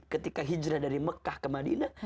ketika hijrah dari mekah ke madinah